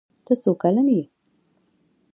ته څو کلن يي